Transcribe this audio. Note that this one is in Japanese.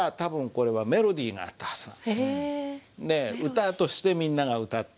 歌としてみんなが歌って。